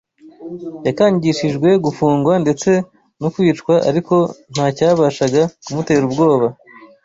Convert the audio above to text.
Yakangishijwe gufungwa ndetse no kwicwa, ariko nta cyabashaga kumutera ubwoba